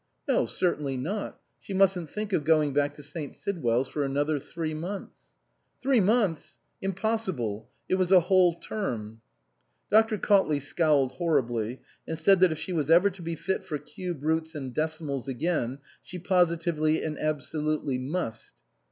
No, certainly not she mustn't think of going back to St. Sidwell's for another three months. Three months ! Impossible ! It was a whole term. Dr. Cautley scowled horribly and said that if she was ever to be fit for cube root and decimals again, she positively and absolutely must.